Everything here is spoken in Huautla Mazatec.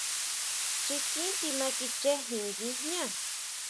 Chikin tima kichejin nguijñá.